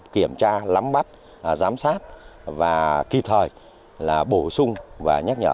kiểm tra lắm bắt giám sát và kịp thời bổ sung và nhắc nhở